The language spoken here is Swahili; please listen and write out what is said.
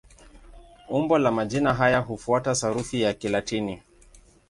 Umbo la majina haya hufuata sarufi ya Kilatini.